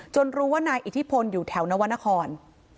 รู้ว่านายอิทธิพลอยู่แถวนวรรณคร